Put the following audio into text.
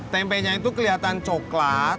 tempenya itu kelihatan coklat